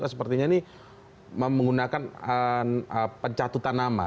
sepertinya ini menggunakan pencatutan nama